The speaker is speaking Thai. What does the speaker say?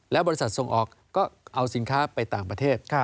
บริษัทส่งออกก็เอาสินค้าไปต่างประเทศ